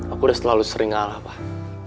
aku udah selalu sering ngalah pak